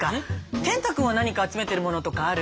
天嵩君は何か集めてるものとかある？